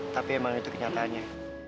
tapi emang itu kenyataannya